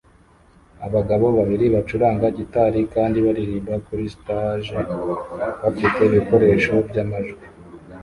Abagabo babiri bacuranga gitari kandi baririmba kuri stage bafite ibikoresho byamajwi